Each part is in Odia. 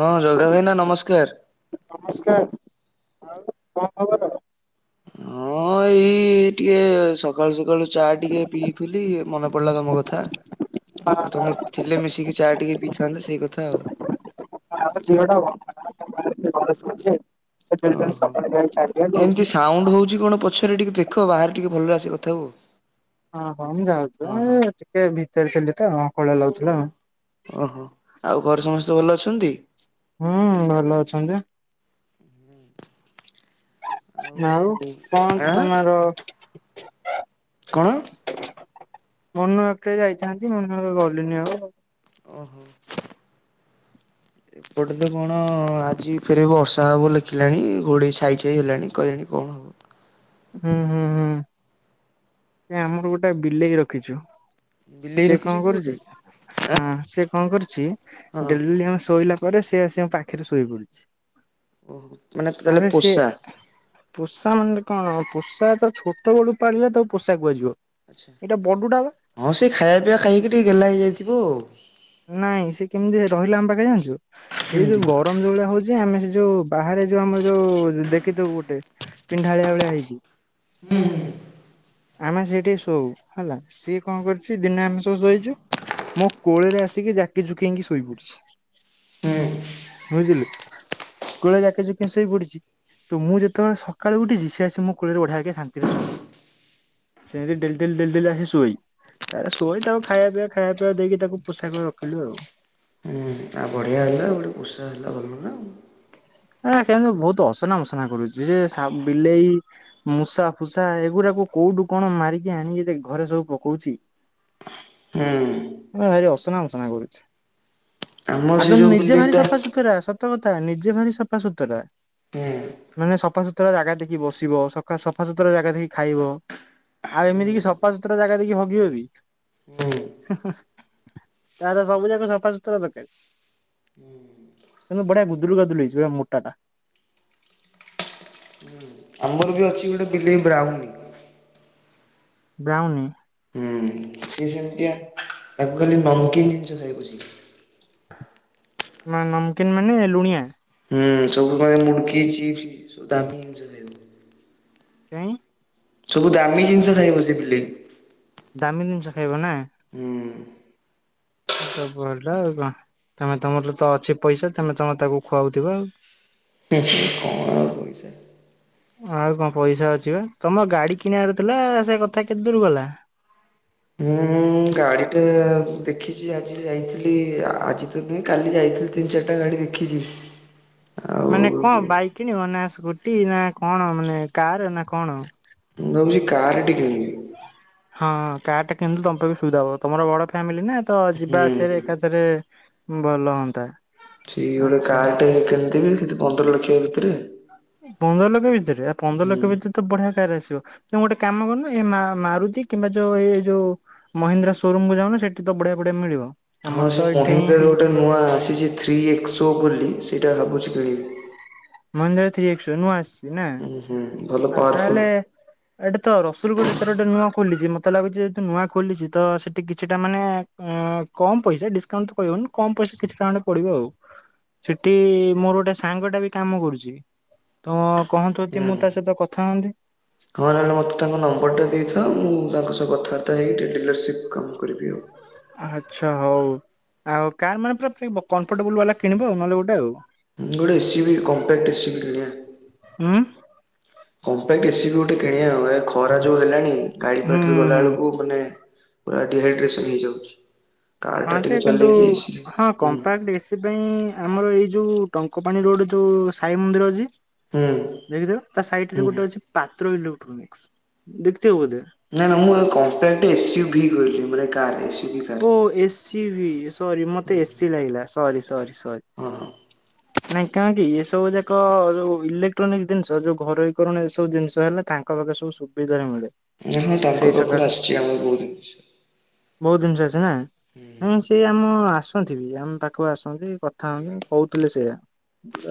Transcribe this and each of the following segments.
ହଁ ଜଗା ଭାଇନା ନମସ୍କାର ନମସ୍କାର ଆଉ ହ ହଁ ଏଇ ଟିକେ ସକାଳୁ ସକାଳୁ ଚା ଟିକେ ପିଇଥିଲି ମନେ ପଡିଲା ତମ କଥା ଆଉ ତମେ ଥିଲେ ମିଶିକି ଚା ଟିକେ ପିଇଥାନ୍ତେ ସେଇ କଥା ଆଉ ଆଛ ଓହୋ ଏମତି ସାଉଣ୍ଡ ହଉଛି କଣ ପଛ ସେରେ ଟିକେ ଦେଖ ବାହାରେିକେ ଭଲରେ ଆସିବ କଥା ହଉ ହଁ ହଁ ମୁଁ ଯାଉଚି ଅଁ ଏ ଟିକେ ଭି ତେରେ ଥିଲି ତ ହଁ। କଳା ଲାଗୁଥିଲା ଆଉଁ। ଓହୋ ଆଉ ଘରେ ସମସ୍ତେ ଭଲ ଅଛନ୍ତି? ହୁଁ ହୁଁ ଭଲ ଅଛନ୍ତି। ଆଉ କଣ ଆଁ ତମାର? କଣ? ମନୁ [unintelligible] ଯାଇଥାନ୍ତି ମନୁ ଗଲିନି ଆଉ ଆଉ। ଓହୋ। ଏପଟେ ତ କଣ ଆଜି ଫେରେ ବର୍ଷା ହବ ଲେଖିଲାଣି ଘୋଡେଇ ଛାଇଛାଇ ହେଲାଣି କହିଲେଣି କଣ ହବ। ହୁଁ ହୁଁ ହୁଁ। ଏ ଆମର ଗୋଟେ ବିଲେଇ ରଖିଚୁ। ବିଲେଇ ସେ ରଖିଛ କଣ କି ଗୋଟେ କରୁଛି ହଁ ଆଁ ସେ କଣ କରୁଛି ହଁ। ଡେଲି ଆମେ ଶୋଇଲା ପରେ ସେ ଆସି ଆମ ପାଖେରେ ଶୋଇ ପଡୁଛି। ଓହୋ ମାନେ ତାଲେ ଆରେ ସିଏ ପୋଷା? ପୋଷା ମାନେ କଣ ପୋଷା ତ ଛୋଟବେଳୁ ପାଳିଲେ ତ ପୋଷା କୁଆଯିବ। ଆଚ୍ଛା ହଁ ସେ ଖାୟା ପିଆ ଖାଇକି ଟିକେ ଗେଲ୍ଲା ହେଇ ଯାଇ ଥିବ ଆଉ। ନାଇଁ ସେ କେମିତି ରହିଲା ଆମ ପାଖେ ଜାଣିଚୁ? ଏଇ କେମିତି? ଯୋଉ ଗରମ ଯୋଉ ଭଳିଆ ହଉ ଚି ଆମେ ସେ ଯୋଉ ବାହାରେ ଯୋଉ ଆମ ଯୋଉ ଦେଖିଥିବୁ ଗୋଟେ ପିଣ୍ଢାଳିଆ ଭଳିଆ ହେଇକି ହୁଁ। ଆମେ ସେଇଠି ଶୋଉ ହେଲା ସିଏ କଣ କରିଚି ଦିନେ ଆମେ ସବୁ ଶୋଇଚୁ ମୋ କୋଳରେ ଆସିକି ଜାକିଜୁକି ହେଇକି ଶୋଇପଡିଛି ହୁଁ। ବୁଝିଲୁ କୋଳରେ ଜାକିଜୁକି ହେଇକି ଶୋଇ ପଡିଛି ତ ମୁଁ ଯେତେବେଳେ ସକାଳୁ ଉଠିଛି ସିଏ ଆସି ମୋ କୋଳରେ ବଢିଆ ବାଗେ ଶାନ୍ତିରେ ଶୋଇଛି। ସେମିତି ଡେଲି ଡେଲି ଡେଲି ଡେଲି ଆସି ଶୁଏଇ ତାରେ ଶୁଅଇ ତାକୁ ଖାୟାପିଆ ଖାୟାପିଆ ଦେଇକି ତାକୁ ପୋଷା କରି ରଖିଲୁ ଆଉ। ହୁଁ ଆଉ ବଢିଆ ହେଲା ଗୋଟେ ପୋଷା ହେଲା ଭଲ ନା। ହୁଁ। [unintelligible] ବହୁତ ଅସନା ମସନା କରୁଛି ଯେ ସା ବିଲେଇ ମୂଷା ଫୁଷା ଏଗୁରାକୁ କୋଉଠୁ କଣ ମାରିକି ଆଣିକି ଘରେ ସବୁ ପକଉଛି ଭାରି ଅସନା ମସନା କରୁଛି। ଆମର ସେ ଆଗ ଯୋଉ ନିଜେ ବିଲେଇ ଭାରି ଟା ସଫାସୁତୁରା ସ [unintelligible] ନିଜେ ଭାରି ସଫା ସୁତୁରା ହୁଁ ମାନେ ସଫା ସୁୁତୁରା ଜାଗା ଦେଖି ବସିବ, ସଫା ସୁତୁରା ଜାଗା ଦେଖି ଖାଇବ ଆଉ ଏମିତିକି ସଫା ସୁତୁରା ଜାଗା ଦେଖିକି ହଗିବ ବି ହୁଁ ତାର ସବୁ ଯାକ ସଫା ସୁତୁରା ଦକାରେ କିନ୍ତୁ ବଢିଆ ବୁ ଗୁଦୁଲୁ ଗାଦୁଲ ହେଇଚି ବା ମୋଟାଟା। ଆମର ବି ଅଛି ଗୋଟେ ବିଲେଇ ବ୍ରାଉନି ବ୍ରାଉନି। ସେ ସେମତିଆ ତାକୁ ଖାଲି ନମକିନ୍ ଜିନିଷ ଖାଇବ ସିଏ। ମା ନମକିନ୍ ମାନେ ଲୁଣିଆ? ହୁଁ ସବୁ ମାନେ ମୁଡ଼କି, ଚିପ୍ସ ସବୁ ଦାମୀ ଜିନିଷ ଖାଇବ। କାଇଁ? ସବୁ ଦାମୀ ଜିନିଷ ଖାଇବ ସେ ବିଲେଇ। ଦାମୀ ଜିନିଷ ଖାଇବ ନା? ହୁଁ ତ ଭଲ ଆଉ କଣ ତମେ ତମର ତ ଅଛି ପଇସା ତମେ ତମର ତାକୁ ଖୁଆଉଥିବ ଆଉ। [unintelligible] କଣ ପଇସା। ଆଉ କଣ ପଇସା ଅଛି ବା ତମ ଗାଡି କିଣିଆର ଥିଲା ସେ କଥା କେତ୍ ଦୂର ଗଲା? ହୁଁ ଗାଡି ଟା ଦେଖିଛି ଆଜି ଯାଇଥିଲି ଆଜି ତ ନୁହେଁ କାଲି ଯାଇଥିଲି ତିନି ଚାରିଟା ଗାଡି ଦେଖିଛି। ଆଉ ମାନେ କଣ ମୁଁ ବାଇ କିଣ ଅନାସ ଗୋଟେ ନା କଣ ମାନେ କାର ନା କଣ? ମୁ ଭାବୁଚି କାରଟି କିନିବି। ହଁ କାର୍ ଟା କିନ୍ତୁ ତମ ପାଇଁ ବି ସୁବିଧା ହବ ତମର ବଡ ଫ୍ୟାମିଲି ନା। ତ ଯିବା ହୁଁ ଆସିବାରେ ଏକାଥରେ ଭଲ ହୁଅନ୍ତା। ସେଇ ଗୋଟେ ଆଚ୍ଛା କାଟେ ହେଇ କେଣିବ। ପନ୍ଦର ଲକ୍ଷ ଭିତରେ। ପନ୍ଦର ଲକ୍ଷ ଭିତରେ ଆ ପନ୍ଦର ହୁଁ। ଲକ୍ଷ ଭିତରେ ତ ବଢିଆ କାରେ ଆସିବ। ତୁ ଗୋଟେ କାମ କରୁନୁ ଏଇ ମା ମାରୁତି କିମ୍ବା ଯୋଉ ଏଇ ଯୋଉ ମହିନ୍ଦ୍ରା ସୋରୁମକୁୁ ଯାଉନ ସେଠି ତ ବଢିଆ ବଢିଆ ମିଳିବ। ହଁ ଆମର ତ ସେ ଏଠି ହିଁ ମହିନ୍ଦ୍ରାରୁ ଗୋଟେ ନୂଆ ଆସିଛି ଥ୍ରୀ ଏକ୍ସୋ ବୋଲି। ସେଇଟା ଭାବୁଛି କିଣିବି। ମହିନ୍ଦ୍ରା ର ଥ୍ରୀ ଏକ୍ସୋ ନୂଆ ଆସ ହୁଁ ହୁଁ। ଭଲ ଆଉ ପାୱାରଫୁଲ୍ ତାହେଲେ ଏଇଟେ ତ ରସୁୁଲଗଡରେ ଏଥର ଗୋଟେ ନୂଆ। ଖୋଲିଛି ମତେ ଲାଗୁଛି ଯେହେତୁ ନୂଆ ଖୋଲିଛି ତ ସେଠି କିଛିଟା ମାନେ କମ ପଇସା ଡିସକାଉଣ୍ଟ ତ କହିହବନି କମ ପଇସା କିଛିଟା ଖଣ୍ଡେ ପଡିବ ଆଉ ସେଠି ମୋର ଗୋଟେ ସାଙ୍ଗ ଟା ବି କାମ କରୁଛି ତ। କହନ୍ତୁ ଯଦି ମୁଁ। ହୁଁ। କଥା ହନ୍ତି। ହଁ ନହେଲେ ମୋତେ ତାଙ୍କ ତ ହେଇଟି ଡିଲର୍ସିପ୍ କମ୍। ଆଚ୍ଛା ହଉ। ଆଉ କାର୍ ମାନେ ପୁରା ଫ୍ରି କମ୍ଫର୍ଟେବୁଲ ବାଲା କିଣିବ ଆଉ ନହେଲେ ଗୋଟେ ଆଉ। ଗୋଟେ A C B compact A C ବି କିଣଆ। ହୁଁ। କମ୍ପାକ୍ଟ ଏ ସି ବି ଗୋଟେ କିଣିବା ଏ ଖରା ଯୋଉ ହେଲାଣି। ଗାଡି ଫାଡିରେ ଗଲା ହୁଁ। ବେଳକୁ ମାନେ। ପୁରା ଡିହାଇଡ୍ରେସନ ହେଇଯାଉଛି। କାର ହଁ ଟା ଯେ ଟିକେ କିନ୍ତୁ ଚଲେଇକି ଏସିରେ ହଁ ହୁଁ କମ୍ପାକ୍ଟ ଏ ସି ପାଇଁ। ଆମର ଏଇ ଯଉ ଟଙ୍କପାଣି ରୋଡ଼ ଯଉ ସାଇ ମନ୍ଦିର ଅଛି। ହୁଁ ଦେଖିଥିବ ତା ସାଇଟ ରେ ହୁଁ ଗୋଟେ ଅଛି ପାତ୍ର ଲୁ ଦେଖଥିବ ବୋଧେ। ନା ନା ମୁଁ କମ୍ପାକ୍ଟ ଏସ ୟୁ ଭି କହିଲି ମାନେ car S O A C. T V S sorry ମତେ ଏସିି ଲାଗିଲା ସରି ସ ସରି ସ ହଁ ହଁ। ନାଇଁ କାଇଁକି ଏ ସବୁ ଯାକ ଯୋଉ ଇଲେକ୍ଟ୍ରୋନିକ୍ ଜିନିଷ ଯୋଉ ଘରୋଇ କରଣ ଏ ସବୁ ଜିନିଷ ହେଲେ ତାଙ୍କ ପାଖରେ ସବୁ ସୁବିଧା ରେ ମିଳେ। ନା ହଁ ତାଙ୍କ ସେଇ ପାଖରୁ ଆସିଛି ଆମର ବହୁତ ଜିନିଷ। ବହୁ ଜିନିଷ ଆ ନା। ନାଇଁ ସେ ଆମ ଆସୁ ଥିବି ଆମେ ପାଖକୁ ଆସନ୍ତି କଥା ହୁଅନ୍ତି କହୁଥିଲେ ସେୟା।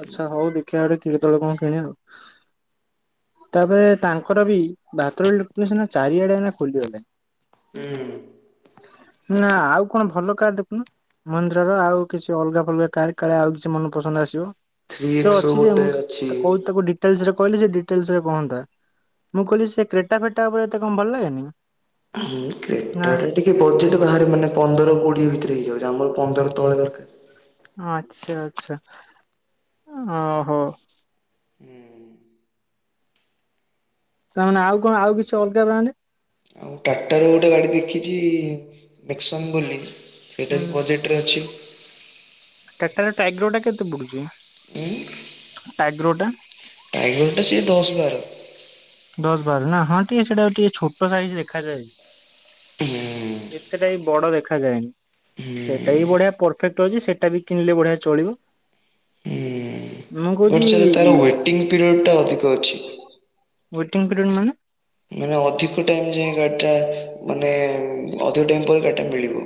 ଆଚ୍ଛା ହଉ ଦେଖିବା ଆଡେ। ତଳେ କଣ କିଣିଆ ଆଉ ତାପରେ ତାଙ୍କର ବି ବାଥରୁମ୍ ଲୁଟେଶନ ଚାରିଆଡେ ଏଇନା ଖୋଲିଗଲାଣି। ହୁଁ ହୁଁ। ନା ଆଉ କଣ ଭଲ କାର୍ ଦେଖୁନ ମନ୍ଦିରର ଆଉ କିଛି ଅଲଗା କଲର କାର୍ କାଳେ ଆଉ କିଛି ମନ ପସନ୍ଦ ଆସିବ। ଥ୍ରୀ ସେ ଏକ୍ସ ଅଛି ଯେ ଗୋଟେ ମୁଁ ତାକୁ ଅଛି ତାକୁ କହିଚି ଡିଟେଲସରେ କହିଲି ସେ ଡିଟେଲସ ରେ କହନ୍ତା ମୁଁ କହିଲି ସେ କ୍ରେଟା ଫେଟା ଉପରେ ଏତେ କଣ ଭଲ ଲାଗେନି? ହୁଁ ନା କ୍ରଟା ଟା ଟିକେ [unintelligible] ଆର ମାନେ ପନ୍ଦର କୋଡିଏ ଭିତରେ ହେଇଯାଉଛି ଆମର ପନ୍ଦର ତଳେ ଦରକାର। ଆଚ୍ଛା ଆଚ୍ଛା ଓହୋ ହୁଁ। ତାମାନେେ ଆଉ କଣ ଆଉ କିଛି ଅଲଗା ବ୍ରାଣ୍ଡ? ଆଉ ଟାକ୍ଟର ଗୋଟେ ଗାଡି ଦେଖିଛି [unintelligible] ବୋଲି ସେଇଟା ହୁଁ ବି ବଜେଟରେ ଅଛି। ଟେଟ୍ରାର ଟାଇଗ୍ରୋ କେତେ ପଡୁଚି? ଉଁ? ଟାଗ୍ରୋ ଟା? ଟାଇଗରଟା ସିଏ [inaudible] ଦଶ ବାର ନା ହଁ ଟିକେ ସେଟା ଟିକେ ଛୋଟ ସାଇଜ ଦେଖାଯାଏ ହୁଁ ଏତେଟା ବି ବଡ ଦେଖାଯାଏନି ହୁଁ ସେଟା ବି ବଢିଆ ପରଫେକ୍ଟ ଅଛି ସେଟା ବି କିଣିଲେ ବଢିଆ ଚଳିବ। ମୁଁ କହୁଛି ଦେଖି ତାର ୱେଟିଙ୍ଗ ପିରିୟାଡଟା ଅଛି। [inaudible] ୱେଟିଂ ପିରିୟଡ଼ ମାନେ? ମାନେ ଅଧିକ ଟାଇମ ଯାଏ ଗାଡି ଟା ମାନେ ଅଧିକ ଟାଇମ ପରେ ଗାଡି ଟା ମିଳିବ।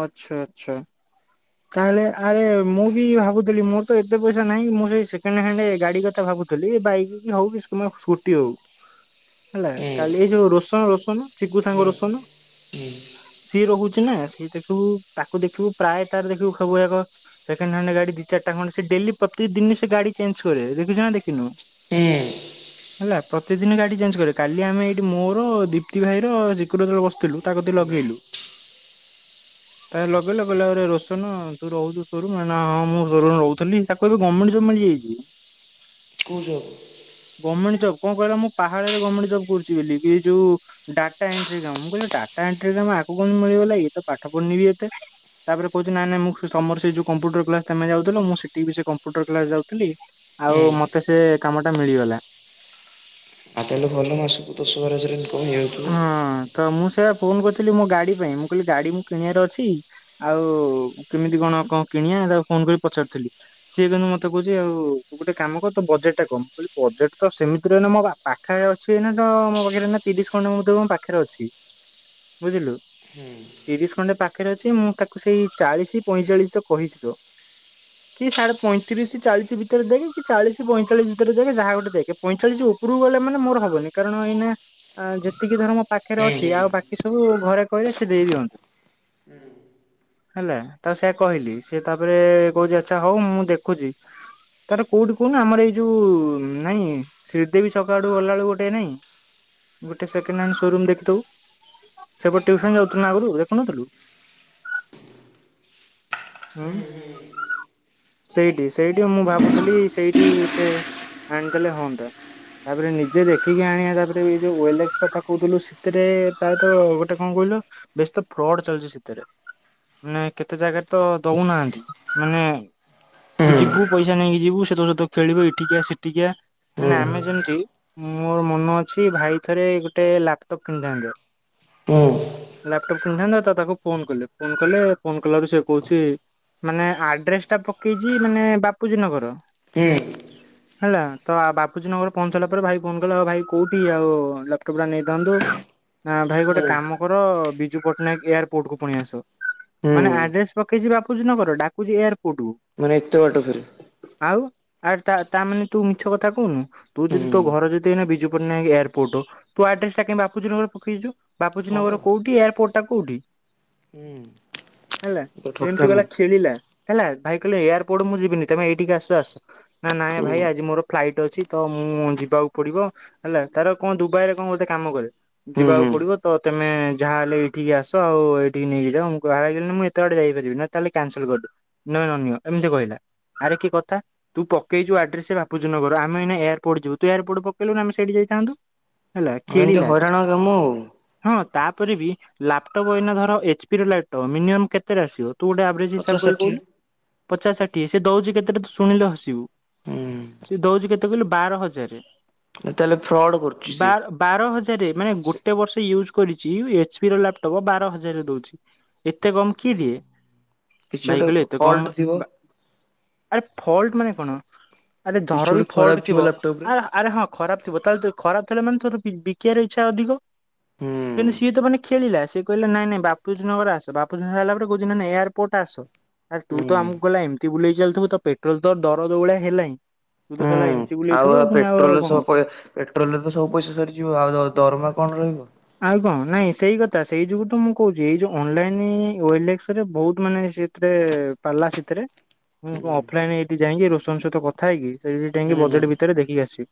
ଆଚ୍ଛା ଆଚ୍ଛା। ତାହେଲେ ଆରେ ମୁଁ ବି ଭାବୁଥିଲି ମୋର ତ ଏତେ ପଇସା ନାହିଁ ମୁଁ ସେଇ ସେକେଣ୍ଡ ହ୍ୟାଣ୍ଡ ଗାଡି କଥା ଭାବୁଥିଲି ବାଇକ କି ହଉ କି ସ୍କୁଟି ହଉ। ହେଲା କାଲି ଏଇ ଯୋଉ [unintelligible] [unintelligible] ଚିକୁ ସାଙ୍ଗ ହୁଁ ରସନ ହୁଁ ସିଏ ରହୁ [unintelligible] ତାକୁ ଦେଖିବୁ ପ୍ରାୟ ତାର ଦେଖିବୁ [unintelligible] ସେକେଣ୍ଡ ହ୍ୟାଣ୍ଡ ଗାଡି ଦି ଚାରିଟା ଖଣ୍ଡେ ସେ ଡେଲି ପ୍ରତିଦିନି ସେ ଗାଡି ଚେଞ୍ଜ କରେ ଦେଖିଚ ନା ଦେଖି ହୁଁ। ହେଲା ପ୍ରତିଦିନ ଗାଡି ଚେଞ୍ଜ କରେ କାଲି ଆମେ ଏଇଠି ମୋର ଦୀପ୍ତି ଭାଇ ର ଚକୁର ବସିଥିଲୁ ତାକୁ ହୁଁ ଲଗେଇଲୁ ତା ଲଗେଇ ଲଗେଇଲା କହିଲା ଆରା ତୁ ରହୁଛୁ ସୋରୁମ ରେ ନ ହଁ ମୁଁ ସୋରୁମ ରହୁଥିଲି ତାକୁ ଏବେ ଗଭର୍ଣ୍ଣମେଣ୍ଟ ଜବ ମିଳିଯାଇଛି। କୋଉ ଜବ? ଗଭର୍ଣ୍ଣମେଣ୍ଟ ଜବ କଣ କହିଲ ମୁଁ ପାହାଳରେ ଗଭର୍ଣ୍ଣମଣ୍ଟ ଜବ କରୁଛି ବୋଲି ଆଇଯୋଉ ଡାଟାଏଣ୍ଟ୍ରି କାମ ମୁ କହିଲି ଡାଟା ଏଣ୍ଟ୍ରି କାମ ଆକୁ କଣ ମିଳିଗଲା ଇଏ ତ ପାଠ ପଢିନିବି ଏତେ ତାପରେ କହୁଛି ନାଇ ନାଇ ମୁଁ ତମର ସେ ଯୋ କମ୍ପୁଟର କ୍ଲାସ ତମେ ଯାଉଥିଲ ମୁଁ ସେଠି ବି ସେ କମ୍ପୁଟର କ୍ଲାସ ଯାଉଥିଲି ହୁଁ ଆଉ ମତେ ସେ କାମ ଟା ମିଳିଗଲା। ଆଉ ତାହଲଲେ ଭଲ ନା ସବୁ? [unintelligible] ଇନକମ୍ ହେଇଯାଇଥିବ। ହଁ ତ ମୁଁ ସେୟା ଫୋନ କରିଥିଲି ମୋ ଗାଡି ପାଇଁ ମୁଁ କହିଲି ଗାଡି ମୋର କିଣିବାର ଅଛି ଆଉ କେମିତି କଣ କଣ କିଣିବା ତାକୁ ଫୋନ କରି ପଚାରୁଥିଲି ସିଏ କିନ୍ତୁ ମତେ କହୁଛି ଆଉ ତୁ ଗୋଟେ କାମ କର ତୋ ବଜେଟଟା କହ ମୁଁ କହିଲି ବଜେଟ ତ ସେମିତି ନାହିଁ ମୋ ପାଖ ଅଛି ଏଇନାତ ତ ମୋ ପାଖରେ ଆଇ ନା ତିରିଶ ଖଣ୍ଡେ ବୋଧେ ମୋ ପାଖରେ ଅଛି ବୁଝିଲୁ ତିରିଶ ଖଣ୍ଡେ ପାଖରେ ଅଛି ମୁଁ ତାକୁ ସେଇ ଚାଳିଶ ପଇଁଚାଳିଶ କହିଛିତ କି ସାଢ଼େ ପଇଁତିରିଶ ଚାଳିଶ ଭିତରେ ଦେନେ କି ଚାଳିଶି ପାଇଞ୍ଚଳିଚି ଦେନେ ଯାହା ଗୋଟେ ଦେଖେ ପଇଁଚାଳିଶ ଉପରକୁ ଗଲେ ମାନେ ମୋର ହବନି କାରଣ ଏଇନା ଆ ଯେତିକି ଧର ମୋ ପାଖରେ ଅଛି ଆଉ ହୁଁ ବାକି ସବୁ ଘରେ କହିଲେ ସେ ଦେଇଦିଅନ୍ତେ ହେଲା ତ ସେଆ କହିଲି ସେ ତାପରେ କହୁଛି ଆଚ୍ଛା ହଉ ମୁଁ ଦେଖୁଛି ତାର କୋଉଠି କହୁନ ଆମର ଏଇ ଯୋଉ ନାଇଁ ଶ୍ରୀଦେବୀ ଛକ ଆଡ଼କୁ ଗଲାବେଳକୁ ଗୋଟେ ନାଇଁ ଗୋଟେ ସେକେଣ୍ଡ ସୋରୁମ ଦେଖିଥିବୁ ସେପଟେ ଟିୟୁସନ ଯାଉଥିଲୁ ବା ଆଗରୁ ଦେଖୁନଥିଲୁଁ ସେଇଠି ସେଇଠି ମୁଁ ଭାବୁଥିଲି ସେଇଠି ଗୋଟେ ଆଣିଦଲେ ହଅନ୍ତା ତାପରେ ନିଜେ ଦେଖିକି ଆଣିବା ତାପରେ ବି ଯଉ [unintelligible] କଥା କହୁଥିଲୁ ସେତିରେ ତାର ତ ଗୋଟେ କଣ କହିଲୁ ବେଶୀତ ଫ୍ରଡ ଚାଲିଛି ସେତିରେ ମାନେ କେତେ ଜାଗାରେ ତ ଦଉନାହାନ୍ତି ମାନେ ତୁ ହୁଁ ଯିବୁ ପଇସା ନେଇକି ଯିବୁ ସେ ତ ସତ ଖେଳିବେ କହିବେ ଏଠିକି ଆ ସେଠିକି ଆ ମାନେ ହୁଁ ଆମେ ଯେମିତି ମୋର ମନ ଅଛି ଭାଇ ଥରେ ଗୋଟେ ଲାପଟପ୍ କିଣିଥାନ୍ତ ହୁଁ ଲାପଟପ୍ କିଣିଥାନ୍ତେ ତା ତାକୁ ଫୋନ୍ କଲେ ଫୋନ୍ କଲେ ଫୋନ୍ କଲାରୁ ସେ କହୁଛି ମାନେ ଆଡ଼୍ରେସଟା ପକାଇଛି ମାନେ ବାପୁଜୀ ନଗର? ହୁଁ ହେଲା ତ ବାପୁଜୀ ନଗର ପହଞ୍ଚିଲା ପରେ ଭାଇ ଫୋନ କିଲ ଆଉ ଭାଇ କୋଉଠି ଆଉ ଲାପଟପ୍ ଟା ନେଇ ଦିନ୍ତୁ ନା ଭାଇ ଗୋଟେ ହୁଁ କାମ କର ବିଜୁ ପଟ୍ଟନାୟକ ଏୟାରପୋର୍ଟ କୁ ପୁଣି ଆସ ହୁଁ ମାନେ ଆଡ୍ରେସ ପକେଇଛି ବାପୁଜ ନଗର ଡାକୁଛି ଏୟାର? ମାନେ ଏତେ ବାଟ ଫର ଆଉ ଆ ତା ତାମାନେେ ତୁ ମିଛ କଥା କହୁନୁ ତୁ ହୁଁ ଯଦି ତୋ ଘର ଯଦିନା ବିଜୁ ପଟ୍ଟନାୟକ ଏୟାରପୋର୍ଟ ଓ? ତୁ ଆଡ୍ରେସ ଟା କ ବାପୁଜ୍ରୀ ନଗର ପକେଇଛୁ ବାପୁଜ୍ରୀ ହଁ ପା ନଗର କୋଉଠି ଏୟାରପୋର୍ଟ ଟା କୋଉଠି! ହୁଁ ହେଲା ଗୋଟେ ଏମିତି ଠକାମି ଗଲା ଖେଳିଲା ହେଲା ଭାଇ କହିଲେ ଏୟାରପୋର୍ଟ ମୁଁ ଯିବିନି ତମେ ଏଇଠିକି ଆସ ଆସ! ନା ନାଇଁ ହୁଁ ଭାଇ ଆଜି ମୋର ଫ୍ାଇ୍ ଅ ତ ମୁଁ ଯିବାକୁ ପଡିବ ହେଲା ତାର କଣ ଦ ଦୁଭୟରେ କଣ କୋତେ କାମ କରେ ହୁଁ ଯିବାକୁ ହୁଁ ପଡ଼ିବ ତମେ ଯାହା ହେଲେ ଏଇଠିକି ଆସ ଆଉ ଏଇଠି ନେଇକି ଯଅ ମୁଁ ବାହାର ହେଗିଲନି ମୁଁ ଏତେ ଆଡ଼େ ଯାଇପାରିବି ତାହେଲେ କ୍ୟାନସଲକରିଦେଅ ନହେ ନ ନିଅ ଏମିତି କହିଲା ଆରେ କିଏ କଥା ତୁ ପକେଇଛୁ ଦୁଭୟରେ କଣ କୋତେ କାମ କରେ ଯିବାକୁ ପଡ଼ିବ ତମେ ଯାହା ହେଲେ ଏଇଠିକି ଆସ ଆଉ ଏଇଠି ନେଇକି ଯଅ ମୁଁ ବାହାର ହେଗିଲନି ମୁଁ ଏତେ ଆଡ଼େ ଯାଇପାରିବି ତାହେଲେ କ୍ୟାନସଲ୍କରିଦେଅ ନହେ ନ ନିଅ ଏମିତି କହିଲା ଆରେ କିଏ କଥା ତୁ ପକେଇଛୁ ଗର ଆମେ ଏ ଏୟାରପୋର୍ଟ ଯିବୁ ତୁ ଏୟାରପୋର୍ଟ ପକେଇଲୁ ନା ଆମେ ସେଇଠି ଯାଇଥାନ୍ତୁଡନଗର ଆମେ ଏୟାରପୋର୍ଟ ଯିବୁ ତ ଏୟାରପୋର୍ଟ ପକେଇଲୁ ନା ଆମେ ସେଇଠି ଯାଇଥାନ୍ତ ହଁ ଏମିତି ହଇରାଣ କାମୁ ଆଉ ହଁ ତାପରେ ବି ଲାପଟପ୍ ଏଇନା ଧର ଏଚ ପି ର ଲାଇଟ୍ଟପ ମିନିମମ୍ କେତେରେ ଆସିବ! ତୁ ଗୋଟେ ଆଭରେଜ ପଚାଶ ହିସାବ କରି ଷାଠିଏ କହୁୁ ପଚା ଷାିଏ ସେ ଦଉଛି କେତେଟ ସୁନୀିଲ ହସିବୁ ହୁଁ ସେି ଦଉଛି କେତେ ତେ କହିଲେ ବାର ହଜାର ନ ତାହେଲେ ଫ୍ରଡ୍ କରୁଛ ବାର ହଜାର ମାନେ ଗୋଟେ ବର୍ଷ ୟୁଜ କରିଛି ଏଚ ପ ର ଲାପଟପ ବାର ହଜାରରେ ଦଉଛି ଏତେ କମ କି ଦଏ କିଛି ଭାଇଗଲେ ଗୋଟେ ଏତେ ଫଲ୍ଟ କମ ଥିବ ଆରେ ଫଲ୍ଟ ମାନେ କପଣ ଆରେ କିଛି ଝର ବି ଗୋଟେ ଫ! ଖରାପ ଲଟ ଥିବ ଲାପଟପ ରେ ଆରେ ଆରେ ହଁ ଖରାପ ଥିବ ତାହେଲେ ମାନେ ତୋର ବିକିବ ଇଚ୍ଛା ଅଧିକ ହୁଁ କିନ୍ତୁ ସିଏ ତ ମାନେ ଖେିଲେସ ସେ କହିଲେ ନାଇଁ ବାପୁଜନଗର ଆସ ବାପୁଜନଗର ହେଲା ପରେ କହୁ ନାାଇ ଏୟାରପୋର୍ଟ ଆସ? ଆ ତୁ ହୁଁ ତ ଆମକୁ ଗଲା ଏମିତି ବୁଲେଇି ଚାଲିଥିବୁ ତ ପେଟ୍ରୋଲ ତ ଦର ଦୌଉଳିଆ ହେଲାିଁ ହୁଁ ଆଉ ପେଟ୍ରୋଲ ସହ ହବ। େଟ୍ରୋଲରେ ତ ସବୁ ପଇା ସରିଯିବ ଆଉ ଦରମା କଣ ରହିବ! ଆଉ କଣ ନାଇଁ ସେଇ ସେଇ ଯୋଗୁ ତ ମୁଁ କହୁଛି ଏଇ ଯୋଉ ଅନଲାଇନଲେରେ ବହୁତ ମାନେ ସେଥିରେ ପିଲା ସେଥିରେ ହଁ ଅଫଲାଇନ ଏଇଠି ଯାଇକି ରୋସନ ସହିତ କଥା ହେଇକି ସେଇଥି ଥେଇକି ହୁଁ ହୁଁ ବଜେଟ ଭିତରେ ଦେଖିକି ଆସିବୁ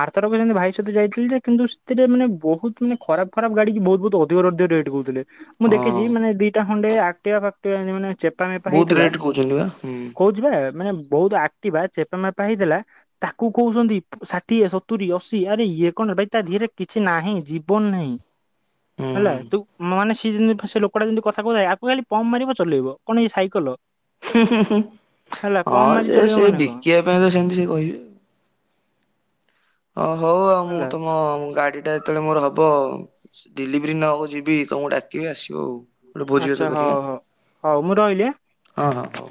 ଆର ଥର ସେଥିରେ ଭାଇ ସହିତ ଯାଇଥିଲି ଯେ କିନ୍ତୁ ସେଥିରେ ମାନେ ବହୁତ ମାନେ ଖରାପ ଖରାପ ଗାଡି କୁ ବହୁତ ବହୁତ ଅଧିକ ଅଧିକ ରେଟ୍ କହୁଥିଲେ ମୁଁ ଦେଖିଛି ହଁ ମାନେ ଦିଟା ଖଣ୍ଡେ ଆକଟିବା ଫାକଟିଵା ମାନେ ଚେପା ମେପା ବହୁତ ହେଇଥିଲା ରେଟ କହୁଛନ୍ତି ବା ହୁଁ କହୁଛି ବା ମାନେ ବହୁତ ଆକ୍ଟିବା ଚେପା ମେପା ହେଇଥିଲା ତାକୁ କହୁଛନ୍ତି ଷାଠିଏ ସତ ତୁରି ଅଶି ଆରେ ଇଏ କଣ ଭାଇ ତା ଧିହେରେ କିଛି ନାହିଁ ଜୀବନ ନାହିଁ ହେଲା ହୁଁ ତୁ ମାନେସ ସେ ଯେମିତି ସେ ଲୋକଟା ଯେମତି କଥା କହୁଥାଏ ଆକୁ ଖାଲି ପମ୍ପ ମାରିବ ଚଲେଇବ କଣ ଏଇ ସାଇକଲ ହଁ ହେଲା ପମ୍ପ ମାରି ସେ ଚଲେଇବ ସେ ମାନେ କଣ ବିକିବା ପାଇଁ ତ ସେମିତି ସେ କହିବେ ହଁ ହଉ ଆଉ ମୁଁ ହେଲା ତୁମ ଗାଡି ଟା ଯେତେବେଳେ ମୋର ହବ ଡେଲିଭରି ଦିନ ଯିବି ତମକୁ ଡାକିବି ଆସିବ ଆଉ ଗୋଟେ ଭୋଜି ଭାତ ଆଚ୍ଛା ହଉ କରିବା ହଉ ହଉ ମୁଁ ରହିଲି ହାଁଏ ହଁ ହଁ ହଉ।